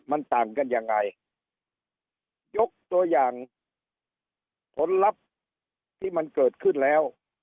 มันต่างกันยังไงยกตัวอย่างผลลัพธ์ที่มันเกิดขึ้นแล้ว